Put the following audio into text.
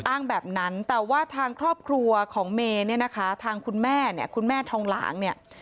แบบนั้นแต่ว่าทางครอบครัวของเมย์เนี่ยนะคะทางคุณแม่เนี่ยคุณแม่ทองหลางเนี่ย